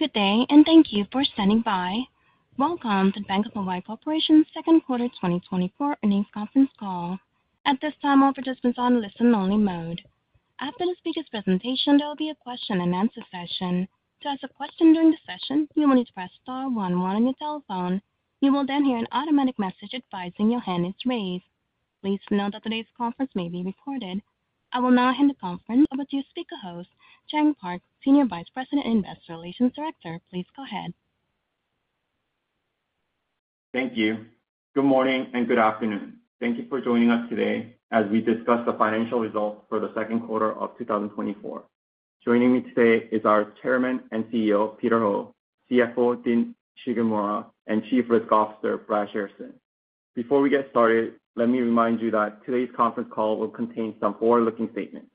Good day, and thank you for standing by. Welcome to Bank of Hawaii Corporation's second quarter 2024 earnings conference call. At this time, all participants are on listen-only mode. After the speaker's presentation, there will be a question-and-answer session. To ask a question during the session, you will need to press star one one on your telephone. You will then hear an automatic message advising your hand is raised. Please note that today's conference may be recorded. I will now hand the conference over to speaker host, Chang Park, Senior Vice President and Investor Relations Director. Please go ahead. Thank you. Good morning, and good afternoon. Thank you for joining us today as we discuss the financial results for the second quarter of 2024. Joining me today is our Chairman and CEO, Peter Ho, CFO Dean Shigemura, and Chief Risk Officer Brad Shairson. Before we get started, let me remind you that today's conference call will contain some forward-looking statements,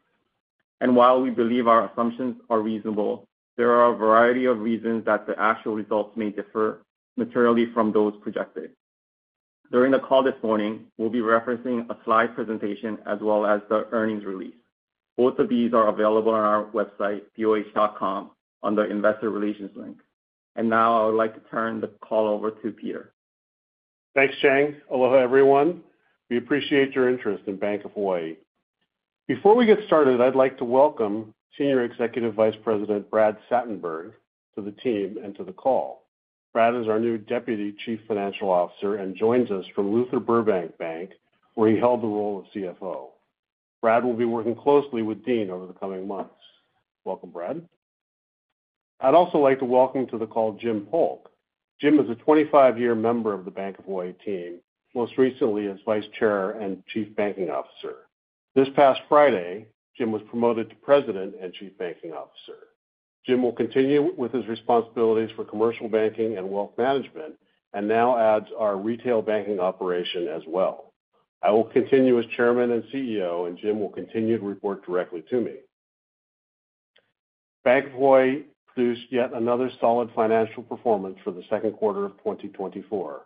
and while we believe our assumptions are reasonable, there are a variety of reasons that the actual results may differ materially from those projected. During the call this morning, we'll be referencing a slide presentation as well as the earnings release. Both of these are available on our website, boh.com, under the Investor Relations link. Now I would like to turn the call over to Peter. Thanks, Chang. Aloha, everyone. We appreciate your interest in Bank of Hawaii. Before we get started, I'd like to welcome Senior Executive Vice President Brad Satenberg to the team and to the call. Brad is our new Deputy Chief Financial Officer and joins us from Luther Burbank Bank, where he held the role of CFO. Brad will be working closely with Dean over the coming months. Welcome, Brad. I'd also like to welcome to the call Jim Polk. Jim is a 25-year member of the Bank of Hawaii team, most recently as Vice Chair and Chief Banking Officer. This past Friday, Jim was promoted to President and Chief Banking Officer. Jim will continue with his responsibilities for commercial banking and wealth management and now adds our retail banking operation as well. I will continue as Chairman and CEO, and Jim will continue to report directly to me. Bank of Hawaii produced yet another solid financial performance for the second quarter of 2024.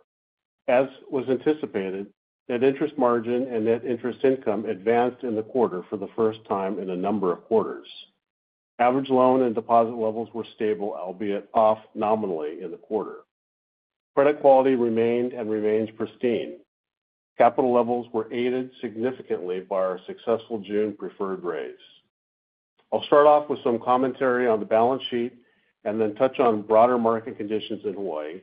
As was anticipated, net interest margin and net interest income advanced in the quarter for the first time in a number of quarters. Average loan and deposit levels were stable, albeit off nominally in the quarter. Credit quality remained and remains pristine. Capital levels were aided significantly by our successful June preferred raise. I'll start off with some commentary on the balance sheet and then touch on broader market conditions in Hawaii.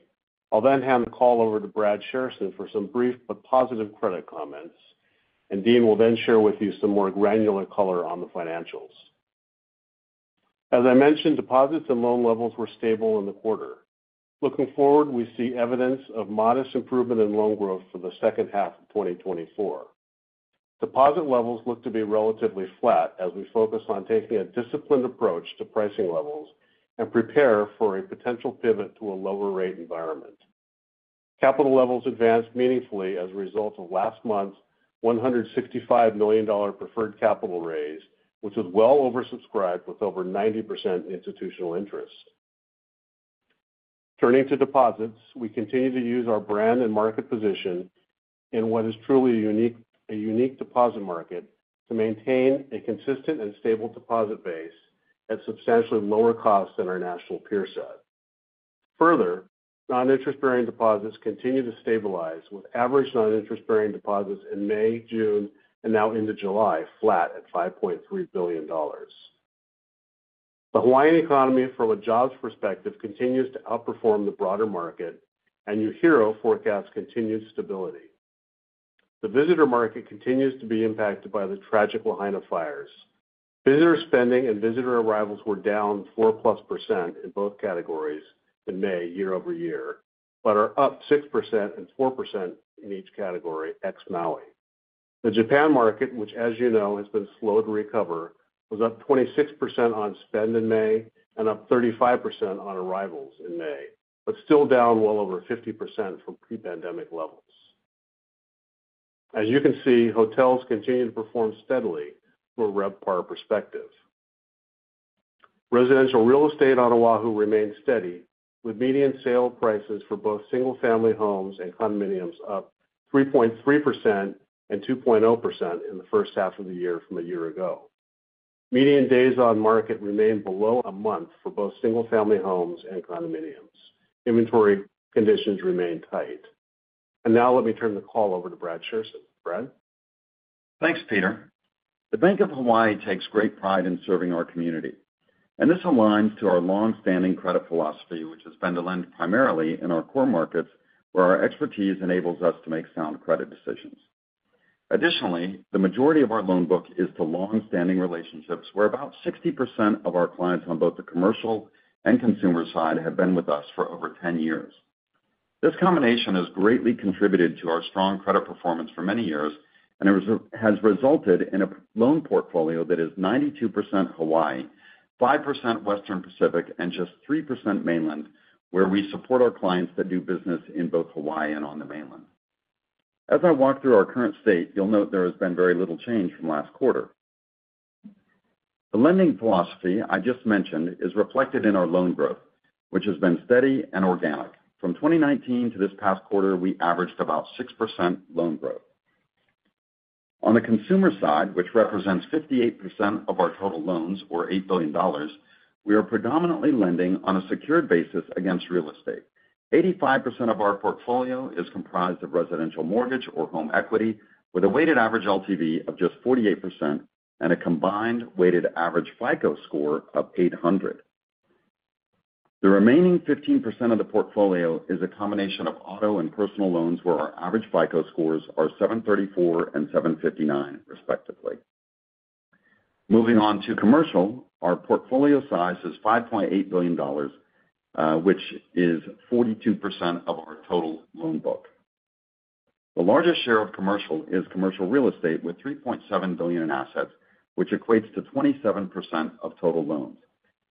I'll then hand the call over to Brad Shairson for some brief but positive credit comments, and Dean will then share with you some more granular color on the financials. As I mentioned, deposits and loan levels were stable in the quarter. Looking forward, we see evidence of modest improvement in loan growth for the second half of 2024. Deposit levels look to be relatively flat as we focus on taking a disciplined approach to pricing levels and prepare for a potential pivot to a lower rate environment. Capital levels advanced meaningfully as a result of last month's $165 million preferred capital raise, which was well oversubscribed with over 90% institutional interest. Turning to deposits, we continue to use our brand and market position in what is truly a unique deposit market, to maintain a consistent and stable deposit base at substantially lower costs than our national peer set. Further, non-interest-bearing deposits continue to stabilize, with average non-interest-bearing deposits in May, June, and now into July, flat at $5.3 billion. The Hawaiian economy, from a jobs perspective, continues to outperform the broader market, and UHERO forecasts continued stability. The visitor market continues to be impacted by the tragic Lahaina fires. Visitor spending and visitor arrivals were down 4+% in both categories in May, year-over-year, but are up 6% and 4% in each category ex Maui. The Japan market, which, as you know, has been slow to recover, was up 26% on spend in May and up 35% on arrivals in May, but still down well over 50% from pre-pandemic levels. As you can see, hotels continue to perform steadily from a RevPAR perspective. Residential real estate on Oahu remains steady, with median sale prices for both single-family homes and condominiums up 3.3% and 2.0% in the first half of the year from a year ago. Median days on market remain below a month for both single-family homes and condominiums. Inventory conditions remain tight. Now let me turn the call over to Brad Shairson. Brad? Thanks, Peter. The Bank of Hawaii takes great pride in serving our community, and this aligns to our long-standing credit philosophy, which has been to lend primarily in our core markets, where our expertise enables us to make sound credit decisions. Additionally, the majority of our loan book is to long-standing relationships, where about 60% of our clients on both the commercial and consumer side have been with us for over 10 years. This combination has greatly contributed to our strong credit performance for many years and has resulted in a loan portfolio that is 92% Hawaii, 5% Western Pacific, and just 3% mainland, where we support our clients that do business in both Hawaii and on the mainland. As I walk through our current state, you'll note there has been very little change from last quarter. The lending philosophy I just mentioned is reflected in our loan growth, which has been steady and organic. From 2019 to this past quarter, we averaged about 6% loan growth.... On the consumer side, which represents 58% of our total loans, or $8 billion, we are predominantly lending on a secured basis against real estate. 85% of our portfolio is comprised of residential mortgage or home equity, with a weighted average LTV of just 48% and a combined weighted average FICO score of 800. The remaining 15% of the portfolio is a combination of auto and personal loans, where our average FICO scores are 734 and 759, respectively. Moving on to commercial, our portfolio size is $5.8 billion, which is 42% of our total loan book. The largest share of commercial is commercial real estate, with $3.7 billion in assets, which equates to 27% of total loans.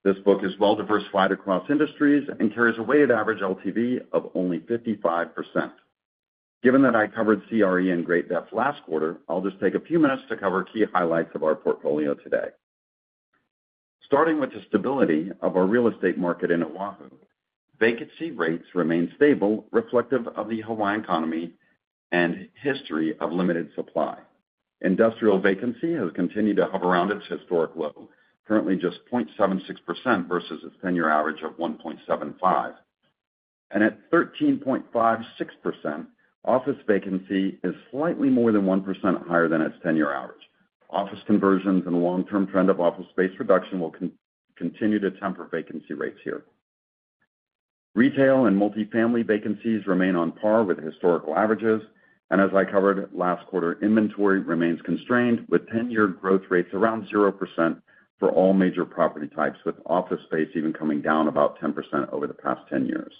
This book is well diversified across industries and carries a weighted average LTV of only 55%. Given that I covered CRE in great depth last quarter, I'll just take a few minutes to cover key highlights of our portfolio today. Starting with the stability of our real estate market in Oahu, vacancy rates remain stable, reflective of the Hawaiian economy and history of limited supply. Industrial vacancy has continued to hover around its historic low, currently just 0.76% versus its 10-year average of 1.75%. At 13.56%, office vacancy is slightly more than 1% higher than its 10-year average. Office conversions and the long-term trend of office space reduction will continue to temper vacancy rates here. Retail and multifamily vacancies remain on par with historical averages, and as I covered last quarter, inventory remains constrained, with 10-year growth rates around 0% for all major property types, with office space even coming down about 10% over the past 10 years.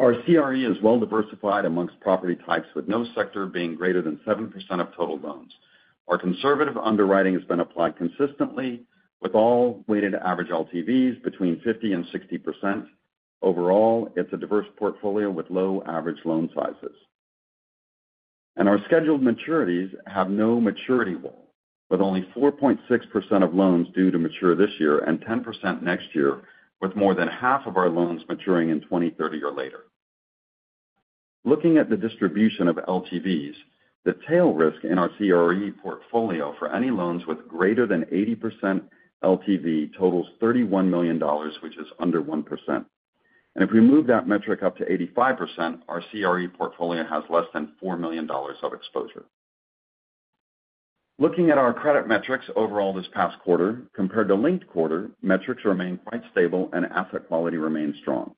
Our CRE is well diversified amongst property types, with no sector being greater than 7% of total loans. Our conservative underwriting has been applied consistently, with all weighted average LTVs between 50%-60%. Overall, it's a diverse portfolio with low average loan sizes. Our scheduled maturities have no maturity wall, with only 4.6% of loans due to mature this year and 10% next year, with more than half of our loans maturing in 2030 or later. Looking at the distribution of LTVs, the tail risk in our CRE portfolio for any loans with greater than 80% LTV totals $31 million, which is under 1%. If we move that metric up to 85%, our CRE portfolio has less than $4 million of exposure. Looking at our credit metrics overall this past quarter, compared to linked quarter, metrics remain quite stable and asset quality remains strong.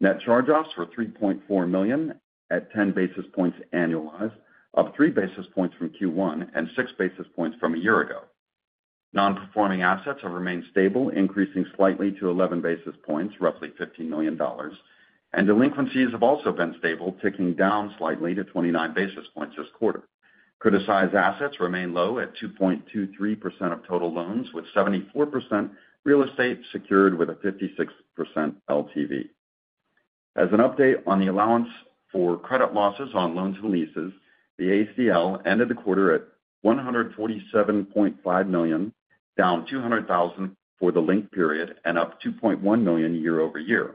Net charge-offs were $3.4 million at 10 basis points annualized, up 3 basis points from Q1 and 6 basis points from a year ago. Non-performing assets have remained stable, increasing slightly to 11 basis points, roughly $15 million, and delinquencies have also been stable, ticking down slightly to 29 basis points this quarter. Criticized assets remain low at 2.23% of total loans, with 74% real estate secured with a 56% LTV. As an update on the allowance for credit losses on loans and leases, the ACL ended the quarter at $147.5 million, down $200,000 for the linked period and up $2.1 million year-over-year.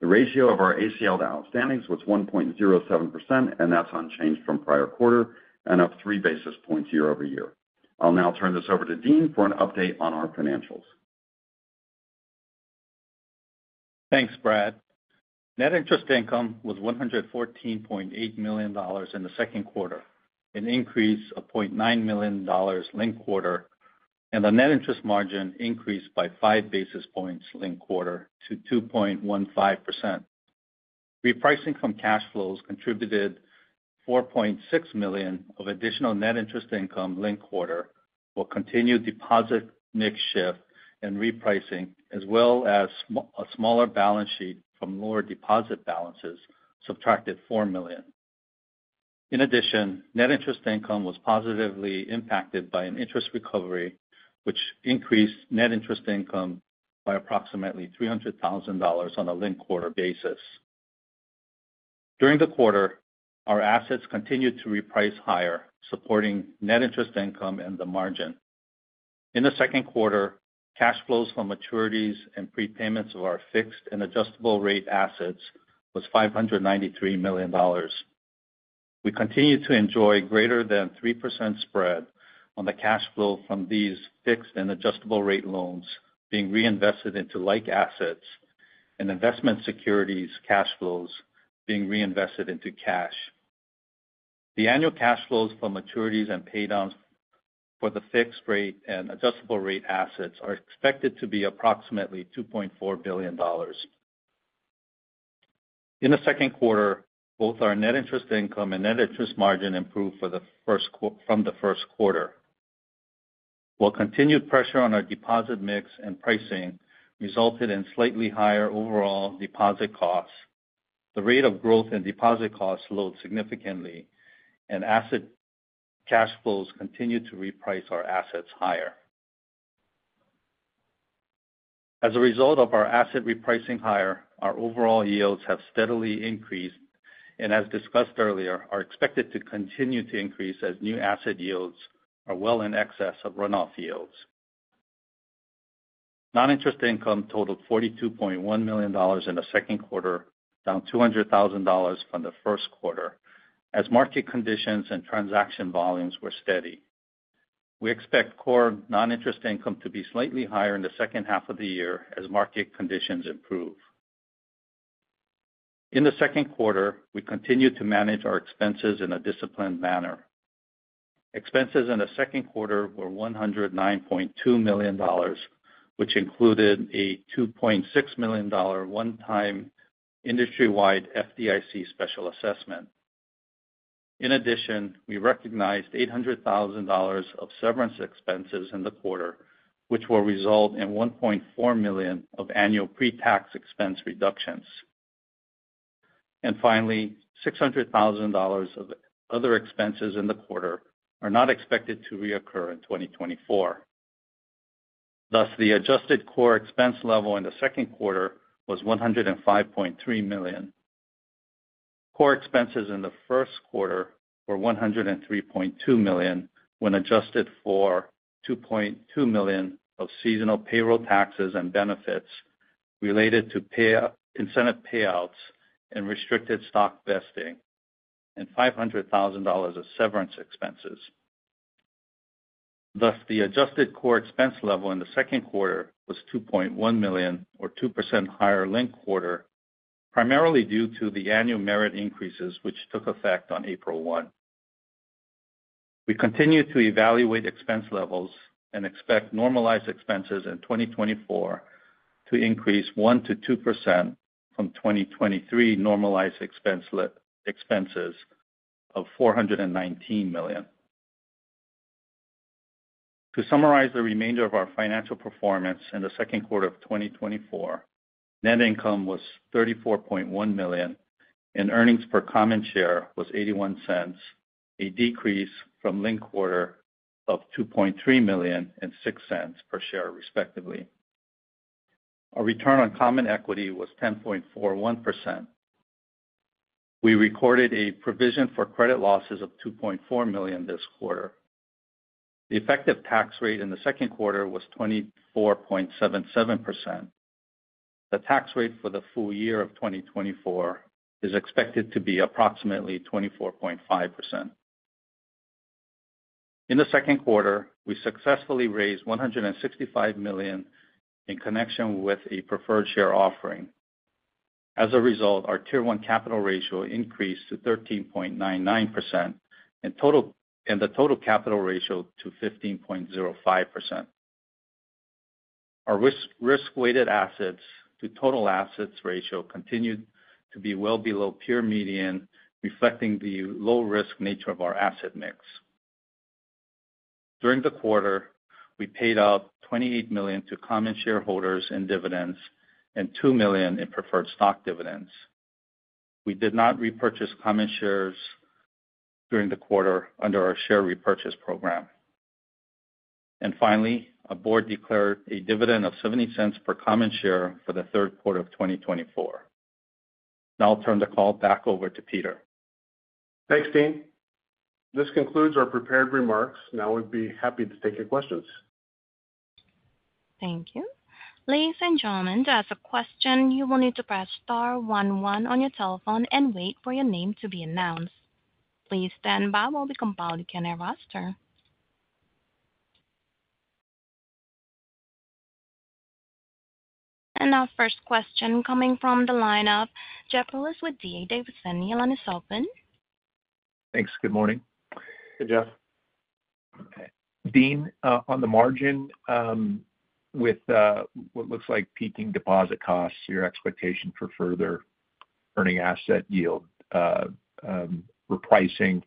The ratio of our ACL to outstandings was 1.07%, and that's unchanged from prior quarter and up 3 basis points year-over-year. I'll now turn this over to Dean for an update on our financials. Thanks, Brad. Net interest income was $114.8 million in the second quarter, an increase of $0.9 million linked quarter, and the net interest margin increased by 5 basis points linked quarter to 2.15%. Repricing from cash flows contributed $4.6 million of additional net interest income linked quarter, while continued deposit mix shift and repricing, as well as a smaller balance sheet from lower deposit balances, subtracted $4 million. In addition, net interest income was positively impacted by an interest recovery, which increased net interest income by approximately $300,000 on a linked quarter basis. During the quarter, our assets continued to reprice higher, supporting net interest income and the margin. In the second quarter, cash flows from maturities and prepayments of our fixed and adjustable-rate assets was $593 million. We continue to enjoy greater than 3% spread on the cash flow from these fixed and adjustable-rate loans being reinvested into like assets and investment securities cash flows being reinvested into cash. The annual cash flows for maturities and paydowns for the fixed rate and adjustable-rate assets are expected to be approximately $2.4 billion. In the second quarter, both our net interest income and net interest margin improved from the first quarter. While continued pressure on our deposit mix and pricing resulted in slightly higher overall deposit costs, the rate of growth in deposit costs slowed significantly, and asset cash flows continued to reprice our assets higher. As a result of our asset repricing higher, our overall yields have steadily increased, and as discussed earlier, are expected to continue to increase as new asset yields are well in excess of runoff yields. Non-interest income totaled $42.1 million in the second quarter, down $200,000 from the first quarter, as market conditions and transaction volumes were steady. We expect core non-interest income to be slightly higher in the second half of the year as market conditions improve. In the second quarter, we continued to manage our expenses in a disciplined manner. Expenses in the second quarter were $109.2 million, which included a $2.6 million one-time industry-wide FDIC special assessment. In addition, we recognized $800,000 of severance expenses in the quarter, which will result in $1.4 million of annual pre-tax expense reductions. Finally, $600,000 of other expenses in the quarter are not expected to reoccur in 2024. Thus, the adjusted core expense level in the second quarter was $105.3 million. Core expenses in the first quarter were $103.2 million, when adjusted for $2.2 million of seasonal payroll taxes and benefits related to payout incentive payouts and restricted stock vesting and $500,000 of severance expenses. Thus, the adjusted core expense level in the second quarter was $2.1 million or 2% higher linked quarter, primarily due to the annual merit increases, which took effect on April 1. We continue to evaluate expense levels and expect normalized expenses in 2024 to increase 1%-2% from 2023 normalized expenses of $419 million. To summarize the remainder of our financial performance in the second quarter of 2024, net income was $34.1 million, and earnings per common share was $0.81, a decrease from linked quarter of $2.3 million and $0.06 per share, respectively. Our return on common equity was 10.41%. We recorded a provision for credit losses of $2.4 million this quarter. The effective tax rate in the second quarter was 24.77%. The tax rate for the full year of 2024 is expected to be approximately 24.5%. In the second quarter, we successfully raised $165 million in connection with a preferred share offering. As a result, our Tier 1 capital ratio increased to 13.99%, and the total capital ratio to 15.05%. Our risk-weighted assets to total assets ratio continued to be well below peer median, reflecting the low-risk nature of our asset mix. During the quarter, we paid out $28 million to common shareholders in dividends and $2 million in preferred stock dividends. We did not repurchase common shares during the quarter under our share repurchase program. Finally, our board declared a dividend of $0.70 per common share for the third quarter of 2024. Now I'll turn the call back over to Peter. Thanks, Dean. This concludes our prepared remarks. Now we'd be happy to take your questions. Thank you. Ladies and gentlemen, to ask a question, you will need to press star one one on your telephone and wait for your name to be announced. Please stand by while we compile the keynote roster. Our first question coming from the line of Jeff Rulis with D.A. Davidson, your line is open. Thanks. Good morning. Good, Jeff. Dean, on the margin, with what looks like peaking deposit costs, your expectation for further earning asset yield repricing,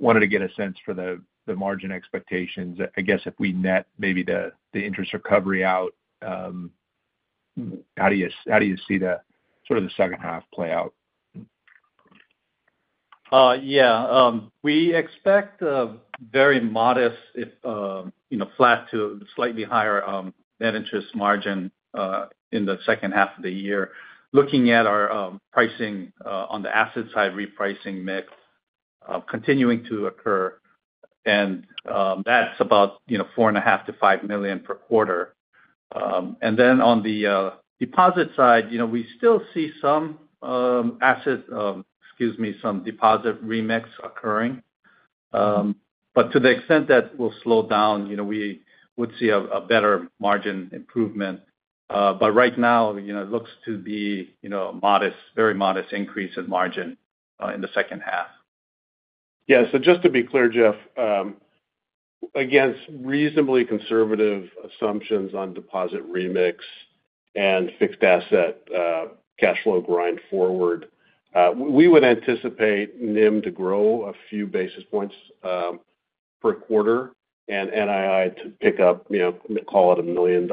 wanted to get a sense for the margin expectations. I guess if we net maybe the interest recovery out, how do you see the sort of the second half play out? Yeah, we expect a very modest, if, you know, flat to slightly higher, net interest margin, in the second half of the year. Looking at our pricing, on the asset side, repricing mix continuing to occur, and that's about, you know, $4.5 million-$5 million per quarter. And then on the deposit side, you know, we still see some, asset, excuse me, some deposit remix occurring. But to the extent that will slow down, you know, we would see a better margin improvement. But right now, you know, it looks to be, you know, a modest, very modest increase in margin, in the second half. Yeah, so just to be clear, Jeff, against reasonably conservative assumptions on deposit remix and fixed asset, cash flow grind forward, we would anticipate NIM to grow a few basis points per quarter, and NII to pick up, you know, call it $1 million.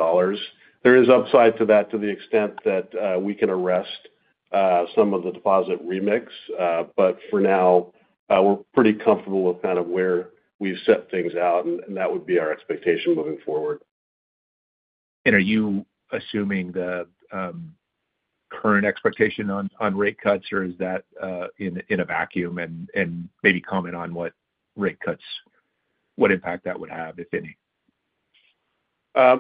There is upside to that to the extent that we can arrest some of the deposit remix. But for now, we're pretty comfortable with kind of where we've set things out, and that would be our expectation moving forward. Are you assuming the current expectation on rate cuts, or is that in a vacuum? And maybe comment on what rate cuts, what impact that would have, if any.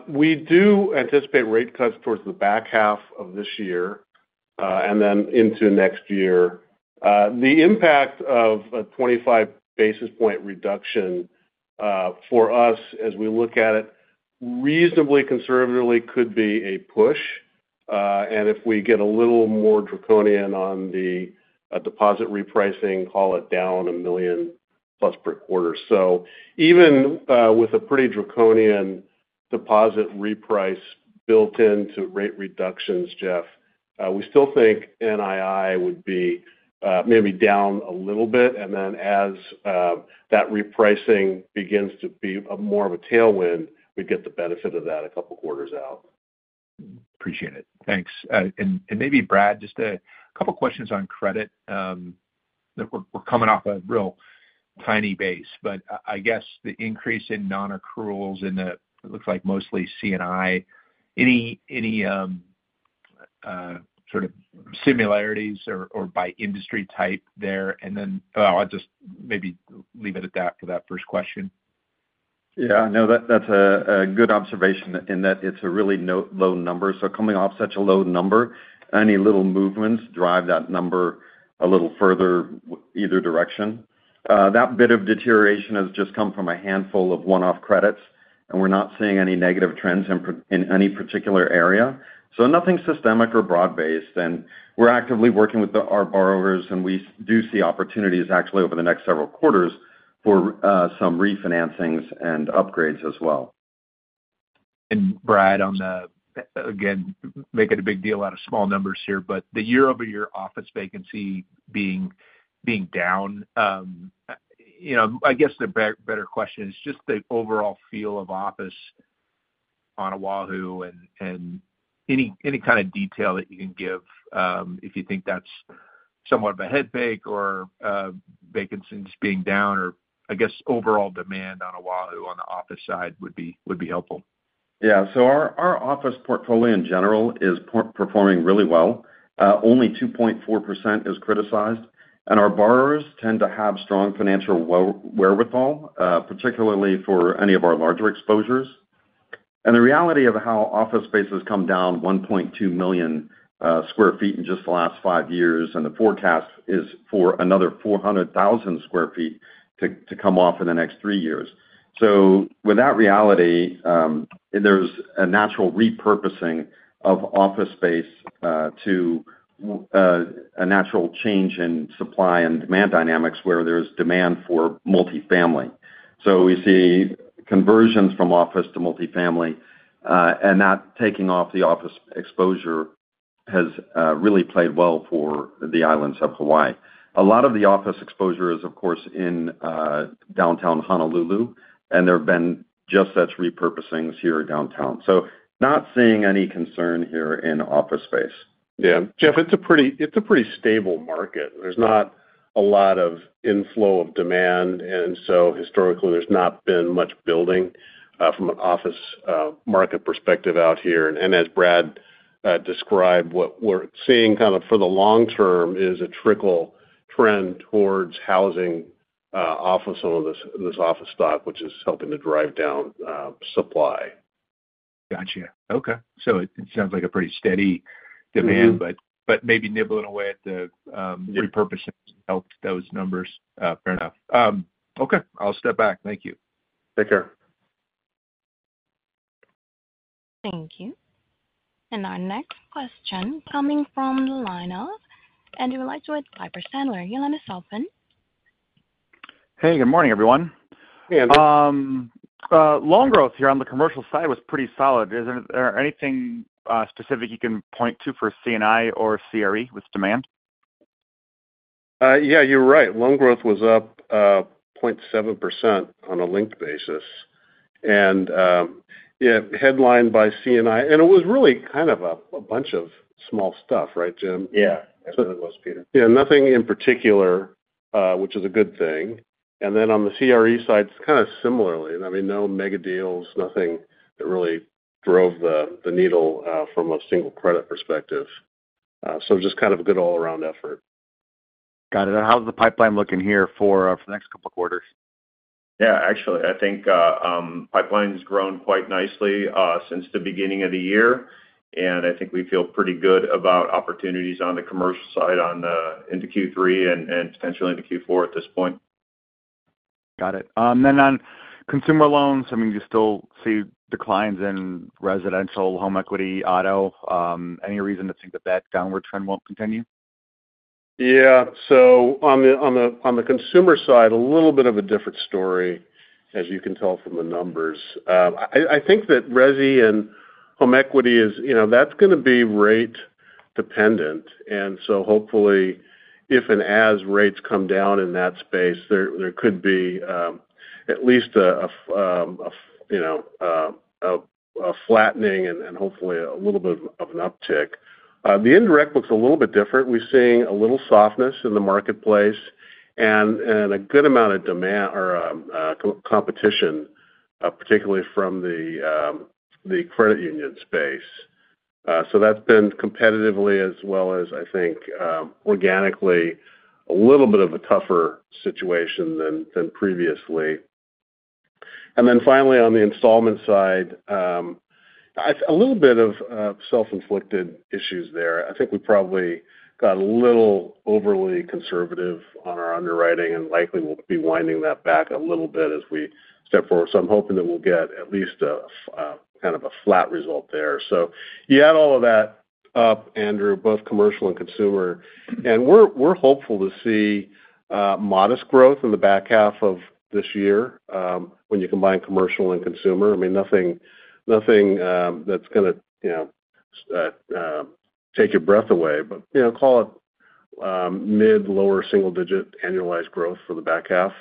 We do anticipate rate cuts towards the back half of this year, and then into next year. The impact of a 25 basis point reduction, for us, as we look at it, reasonably conservatively, could be a push. And if we get a little more draconian on the deposit repricing, call it down $1 million-plus per quarter. So even with a pretty draconian deposit reprice built into rate reductions, Jeff, we still think NII would be maybe down a little bit. And then as that repricing begins to be a more of a tailwind, we'd get the benefit of that a couple quarters out. Appreciate it. Thanks. And maybe Brad, just a couple questions on credit. That we're coming off a real tiny base, but I guess the increase in nonaccruals in the, it looks like mostly C&I. Any sort of similarities or by industry type there? And then, I'll just maybe leave it at that for that first question. Yeah. No, that's a good observation in that it's a really low number. So coming off such a low number, any little movements drive that number a little further either direction. That bit of deterioration has just come from a handful of one-off credits, and we're not seeing any negative trends in any particular area. So nothing systemic or broad-based, and we're actively working with our borrowers, and we do see opportunities actually over the next several quarters for some refinancings and upgrades as well. And Brad, on the, again, making a big deal out of small numbers here, but the year-over-year office vacancy being down, you know, I guess the better question is just the overall feel of office on Oahu and any kind of detail that you can give, if you think that's somewhat of a headfake or vacancies being down, or I guess overall demand on Oahu on the office side would be helpful. Yeah. So our office portfolio in general is performing really well. Only 2.4% is criticized, and our borrowers tend to have strong financial wherewithal, particularly for any of our larger exposures. And the reality of how office space has come down 1.2 million sq ft in just the last five years, and the forecast is for another 400,000 sq ft to come off in the next three years. So with that reality, there's a natural repurposing of office space to a natural change in supply and demand dynamics, where there's demand for multifamily. So we see conversions from office to multifamily, and that taking off the office exposure has really played well for the islands of Hawaii. A lot of the office exposure is, of course, in downtown Honolulu, and there have been just such repurposings here downtown. So not seeing any concern here in office space. Yeah. Jeff, it's a pretty stable market. There's not a lot of inflow of demand, and so historically, there's not been much building from an office market perspective out here. And as Brad described, what we're seeing kind of for the long term is a trickle trend towards housing office, some of this office stock, which is helping to drive down supply. Gotcha. Okay. So it sounds like a pretty steady demand- Mm-hmm But maybe nibbling away at the.... Yeah Repurposing helped those numbers. Fair enough. Okay, I'll step back. Thank you. Take care. Thank you. Our next question coming from the line of Andrew Liesch, Piper Sandler. Your line is open. Hey, good morning, everyone. Hey, Andrew. Loan growth here on the commercial side was pretty solid. Is there anything specific you can point to for C&I or CRE with demand? Yeah, you're right. Loan growth was up 0.7% on a linked basis, and yeah, headlined by C&I. And it was really kind of a bunch of small stuff, right, Jim? Yeah. It really was, Peter. Yeah, nothing in particular, which is a good thing. And then on the CRE side, it's kind of similarly. I mean, no mega deals, nothing that really drove the needle from a single credit perspective. So just kind of a good all around effort. Got it. How's the pipeline looking here for the next couple of quarters? Yeah. Actually, I think pipeline's grown quite nicely since the beginning of the year, and I think we feel pretty good about opportunities on the commercial side into Q3 and potentially into Q4 at this point. Got it. Then on consumer loans, I mean, you still see declines in residential home equity, auto. Any reason to think that that downward trend won't continue? Yeah. So on the consumer side, a little bit of a different story, as you can tell from the numbers. I think that resi and home equity is, you know, that's gonna be rate dependent, and so hopefully, if and as rates come down in that space, there could be at least a you know a flattening and hopefully a little bit of an uptick. The indirect looks a little bit different. We're seeing a little softness in the marketplace and a good amount of demand or competition particularly from the credit union space. So that's been competitively as well as I think organically a little bit of a tougher situation than previously. And then finally, on the installment side, a little bit of self-inflicted issues there. I think we probably got a little overly conservative on our underwriting, and likely we'll be winding that back a little bit as we step forward. So I'm hoping that we'll get at least a kind of a flat result there. So you add all of that up, Andrew, both commercial and consumer, and we're, we're hopeful to see modest growth in the back half of this year, when you combine commercial and consumer. I mean, nothing, nothing that's gonna, you know, take your breath away, but, you know, call it mid lower single digit annualized growth for the back half.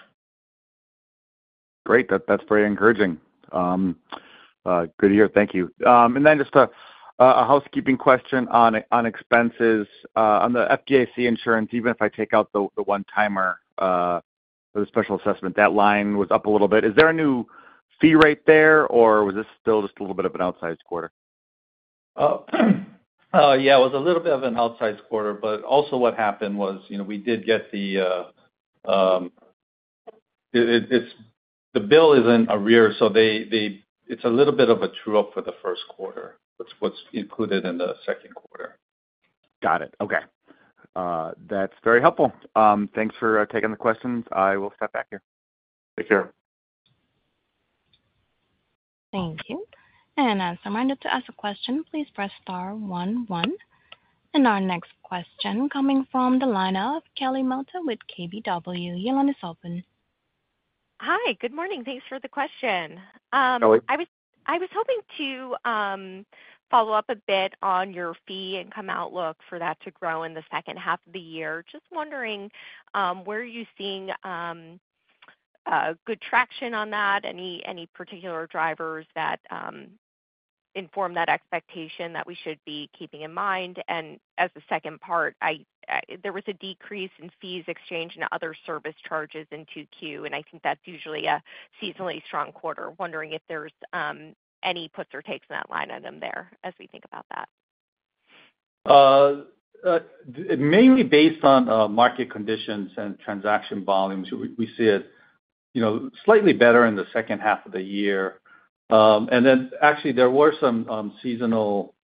Great. That's very encouraging. Good to hear. Thank you. And then just a housekeeping question on expenses. On the FDIC insurance, even if I take out the one timer, or the special assessment, that line was up a little bit. Is there a new fee rate there, or was this still just a little bit of an outsized quarter? Yeah, it was a little bit of an outsized quarter, but also what happened was, you know, we did get the bill. It's in arrears, so it's a little bit of a true up for the first quarter. That's what's included in the second quarter. Got it. Okay. That's very helpful. Thanks for taking the questions. I will step back here. Take care. Thank you. And as a reminder, to ask a question, please press star one one. And our next question coming from the line of Kelly Motta with KBW. Your line is open. Hi, good morning. Thanks for the question. Kelly. I was hoping to follow up a bit on your fee income outlook for that to grow in the second half of the year. Just wondering, where are you seeing good traction on that? Any particular drivers that inform that expectation that we should be keeping in mind? And as a second part, there was a decrease in fees, exchange and other service charges in 2Q, and I think that's usually a seasonally strong quarter. Wondering if there's any puts or takes in that line item there, as we think about that. Mainly based on market conditions and transaction volumes, we see it, you know, slightly better in the second half of the year. And then actually there were some seasonal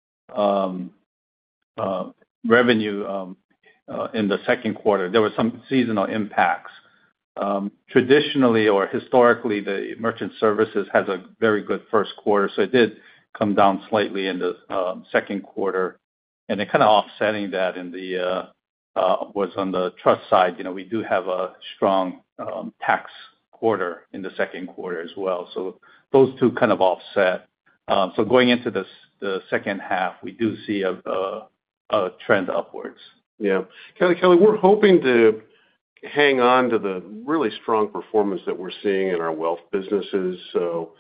revenue in the second quarter. There were some seasonal impacts. Traditionally or historically, the merchant services has a very good first quarter, so it did come down slightly in the second quarter. And then kind of offsetting that was on the trust side, you know, we do have a strong tax quarter in the second quarter as well. So those two kind of offset. So going into the second half, we do see a trend upwards. Yeah. Kelly, Kelly, we're hoping to hang on to the really strong performance that we're seeing in our wealth businesses. So,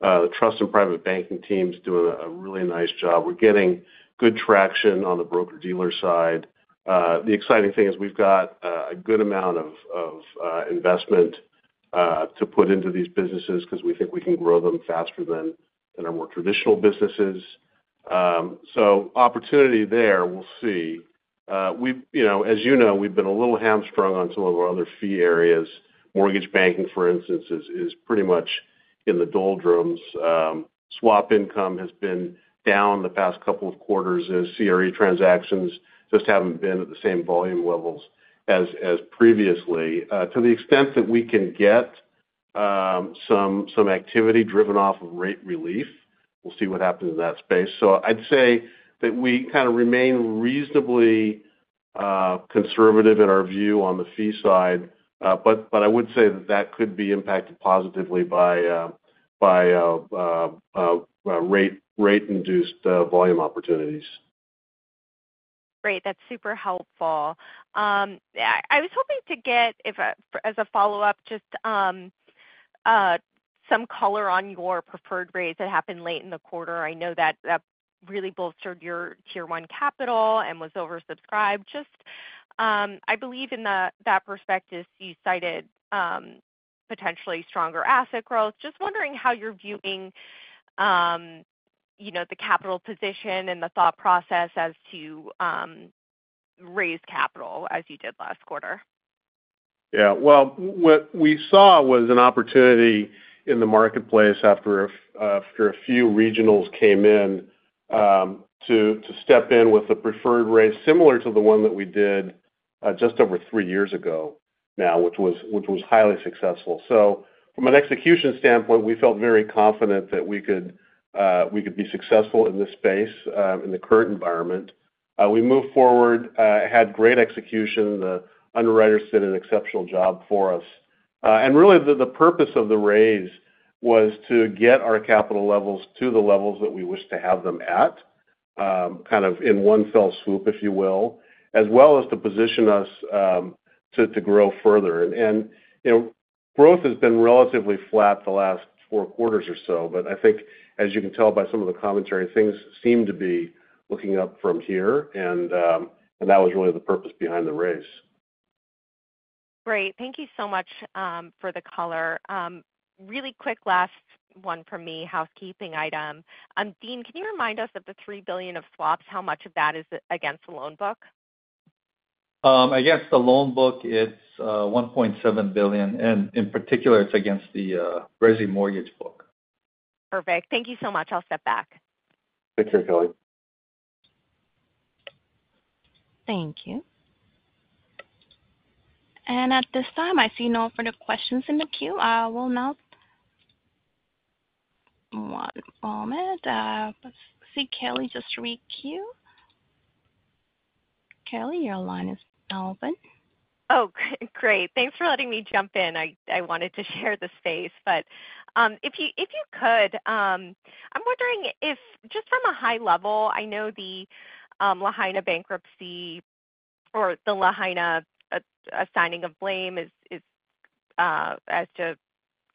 the trust and private banking team's doing a really nice job. We're getting good traction on the broker-dealer side. The exciting thing is we've got a good amount of investment to put into these businesses because we think we can grow them faster than our more traditional businesses. So opportunity there, we'll see. We've-- you know, as you know, we've been a little hamstrung on some of our other fee areas. Mortgage banking, for instance, is pretty much in the doldrums. Swap income has been down the past couple of quarters as CRE transactions just haven't been at the same volume levels as previously. To the extent that we can get some activity driven off of rate relief, we'll see what happens in that space. So I'd say that we kind of remain reasonably conservative in our view on the fee side, but I would say that that could be impacted positively by rate-induced volume opportunities. Great. That's super helpful. I was hoping to get, as a follow-up, just some color on your preferred raise that happened late in the quarter. I know that that really bolstered your Tier 1 capital and was oversubscribed. Just, I believe that perspective, you cited potentially stronger asset growth. Just wondering how you're viewing, you know, the capital position and the thought process as to raise capital as you did last quarter. Yeah. Well, what we saw was an opportunity in the marketplace after a few regionals came in, to step in with a preferred raise similar to the one that we did just over three years ago now, which was highly successful. So from an execution standpoint, we felt very confident that we could be successful in this space in the current environment. We moved forward, had great execution. The underwriters did an exceptional job for us. And really, the purpose of the raise was to get our capital levels to the levels that we wish to have them at, kind of in one fell swoop, if you will, as well as to position us to grow further. You know, growth has been relatively flat the last four quarters or so, but I think as you can tell by some of the commentary, things seem to be looking up from here, and that was really the purpose behind the raise. Great. Thank you so much for the color. Really quick, last one from me, housekeeping item. Dean, can you remind us of the $3 billion of swaps? How much of that is against the loan book? Against the loan book, it's $1.7 billion, and in particular, it's against the resi mortgage book. Perfect. Thank you so much. I'll step back. Thanks, Kelly. Thank you. And at this time, I see no further questions in the queue. I will now... One moment. I see Kelly just requeued. Kelly, your line is now open. Oh, great. Thanks for letting me jump in. I wanted to share the space, but if you could, I'm wondering if, just from a high level, I know the Lahaina bankruptcy or the Lahaina assigning of blame is, as to,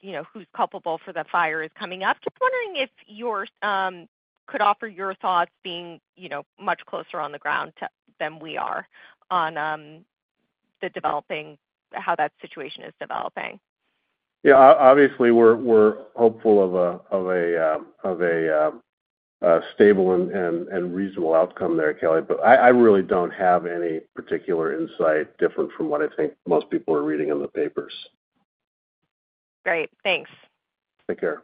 you know, who's culpable for the fire is coming up. Just wondering if you could offer your thoughts being, you know, much closer on the ground to than we are on the developing how that situation is developing. Yeah, obviously, we're hopeful of a stable and reasonable outcome there, Kelly. But I really don't have any particular insight different from what I think most people are reading in the papers. Great, thanks. Take care.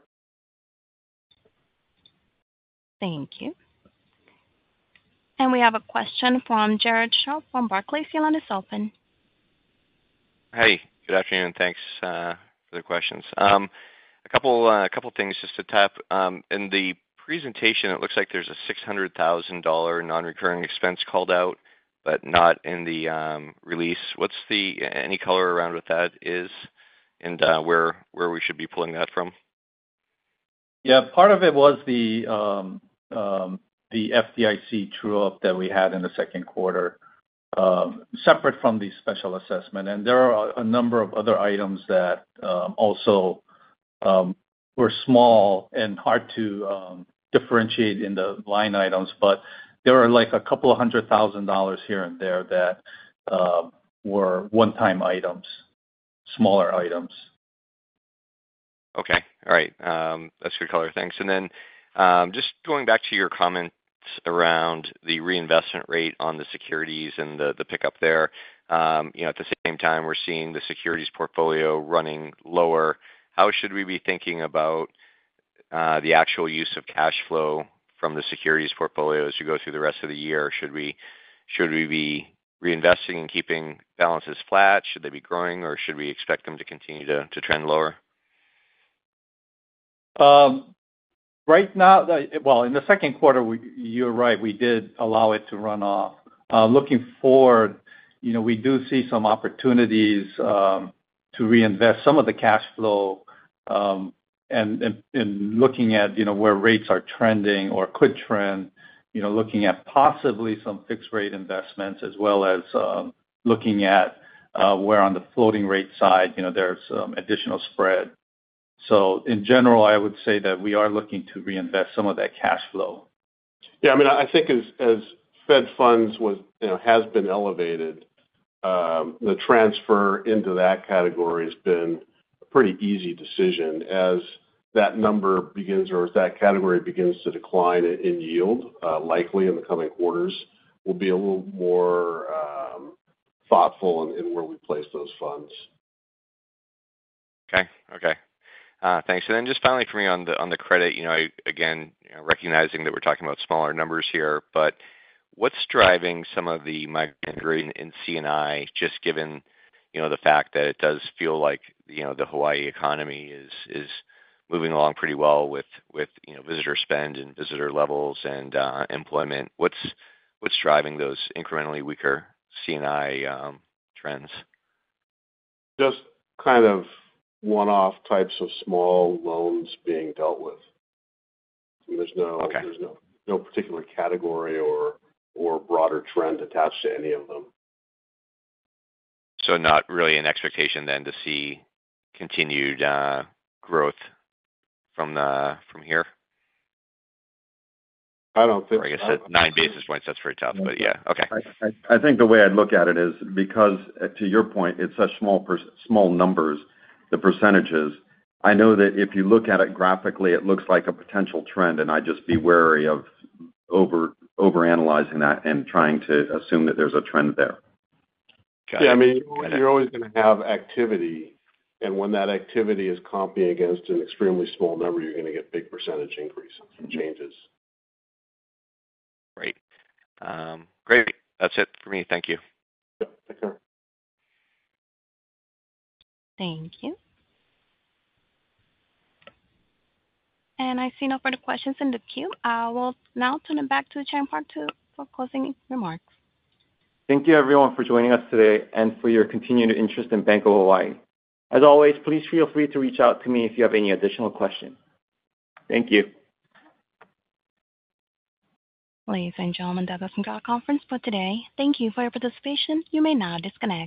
Thank you. And we have a question from Jared Shaw from Barclays. Your line is open. Hey, good afternoon. Thanks for the questions. A couple things just to tap. In the presentation, it looks like there's a $600,000 non-recurring expense called out, but not in the release. What's the... Any color around what that is, and where we should be pulling that from? Yeah, part of it was the FDIC true-up that we had in the second quarter, separate from the special assessment. There are a number of other items that also were small and hard to differentiate in the line items. But there were, like, a couple of hundred thousand dollars here and there that were one-time items, smaller items. Okay. All right, that's good color. Thanks. And then, just going back to your comments around the reinvestment rate on the securities and the pickup there. You know, at the same time, we're seeing the securities portfolio running lower. How should we be thinking about the actual use of cash flow from the securities portfolio as you go through the rest of the year? Should we be reinvesting and keeping balances flat? Should they be growing, or should we expect them to continue to trend lower? Right now, well, in the second quarter, you're right, we did allow it to run off. Looking forward, you know, we do see some opportunities to reinvest some of the cash flow, and looking at, you know, where rates are trending or could trend, you know, looking at possibly some fixed rate investments, as well as looking at where on the floating rate side, you know, there's some additional spread. So in general, I would say that we are looking to reinvest some of that cash flow. Yeah, I mean, I think as Fed funds was, you know, has been elevated, the transfer into that category has been a pretty easy decision. As that number begins or as that category begins to decline in yield, likely in the coming quarters, we'll be a little more thoughtful in where we place those funds. Okay. Okay. Thanks. And then just finally for me on the credit, you know, again, recognizing that we're talking about smaller numbers here, but what's driving some of the migration in C&I, just given, you know, the fact that it does feel like, you know, the Hawaii economy is moving along pretty well with, you know, visitor spend and visitor levels and employment. What's driving those incrementally weaker C&I trends? Just kind of one-off types of small loans being dealt with. There's no- Okay. There's no particular category or broader trend attached to any of them. Not really an expectation then to see continued growth from here? I don't think- I guess 9 basis points, that's pretty tough, but yeah. Okay. I think the way I'd look at it is because, to your point, it's such small small numbers, the percentages. I know that if you look at it graphically, it looks like a potential trend, and I'd just be wary of overanalyzing that and trying to assume that there's a trend there. Got it. Yeah, I mean, you're always going to have activity, and when that activity is comping against an extremely small number, you're going to get big percentage increases and changes. Great. Great. That's it for me. Thank you. Yep. Thanks, sir. Thank you. I see no further questions in the queue. I will now turn it back to the Chairman for closing remarks. Thank you, everyone, for joining us today and for your continued interest in Bank of Hawaii. As always, please feel free to reach out to me if you have any additional questions. Thank you. Ladies and gentlemen, that does end our conference for today. Thank you for your participation. You may now disconnect.